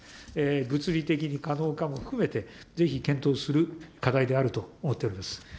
物理的に可能かも含めて、ぜひ検討する課題であると思っておりま